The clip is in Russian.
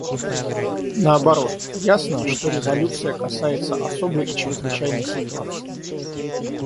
Наоборот, ясно, что резолюция касается особой и чрезвычайной ситуации.